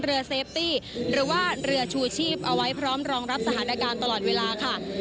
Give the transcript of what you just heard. หรือว่าเรือชูชีพเอาไปพร้อมรองรับสถานการณ์ตลอดเวลา